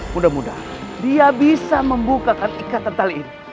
mudah mudahan dia bisa membukakan ikatan tali ini